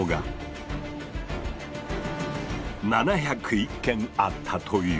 ７０１件あったという！